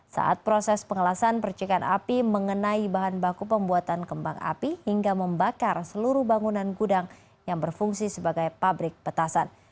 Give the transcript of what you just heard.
saat proses pengelasan percikan api mengenai bahan baku pembuatan kembang api hingga membakar seluruh bangunan gudang yang berfungsi sebagai pabrik petasan